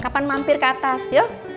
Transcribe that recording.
kapan mampir ke atas ya